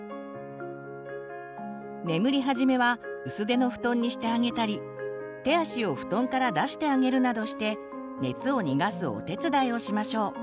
眠りはじめは薄手の布団にしてあげたり手足を布団から出してあげるなどして熱を逃がすお手伝いをしましょう。